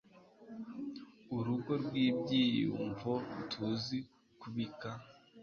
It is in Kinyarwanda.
urugo rwibyiyumvo tuzi kubika